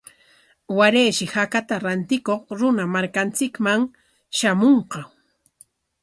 Warayshi hakata rantikuq runa markanchikman shamunqa.